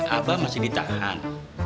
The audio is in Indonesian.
abah masih ditahan